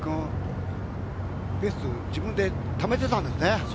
田澤君、自分でためていたんですね。